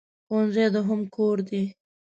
ښوونځی دوهم کور دی.